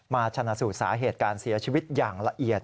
ชนะสูตรสาเหตุการเสียชีวิตอย่างละเอียด